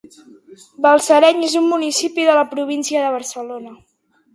Balsareny és un municipi de la província de Barcelona.